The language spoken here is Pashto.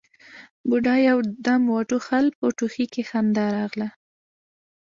بوډا يو دم وټوخل، په ټوخي کې خندا ورغله: